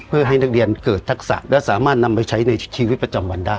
เพื่อให้นักเรียนเกิดทักษะและสามารถนำไปใช้ในชีวิตประจำวันได้